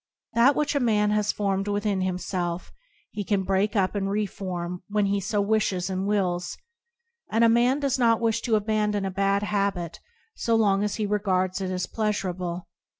That which a man has formed within himself, he can break up and re form when he so wishes and wills; and a man does not wish to abandon a bad habit so long as he regards it as pleasurable.